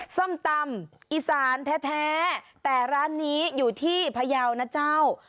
ส้มตำอีสานแท้แต่ร้านนี้อยู่ที่พยาวนะเจ้า